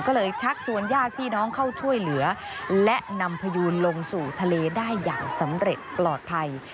ก็เลยชักชวนญาติพี่น้องเข้าช่วยเหลือและนำพยูนลงสู่ทะเลได้อย่างสำเร็จปลอดภัย